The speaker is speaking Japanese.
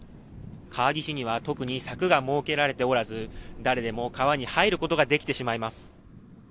川岸には特に柵が設けられておらず誰でも川に入ることができてしまいます。